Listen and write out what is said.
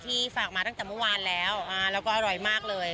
ฝากมาตั้งแต่เมื่อวานแล้วแล้วก็อร่อยมากเลย